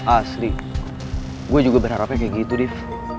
asli gue juga berharapnya kayak gitu deh